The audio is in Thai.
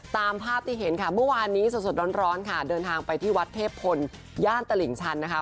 ตามภาพที่เห็นค่ะเมื่อวานนี้สดร้อนค่ะเดินทางไปที่วัดเทพพลย่านตลิ่งชันนะคะ